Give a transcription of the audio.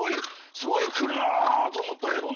すごい来るなと思ったけどね。